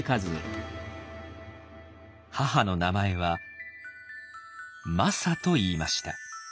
母の名前はマサといいました。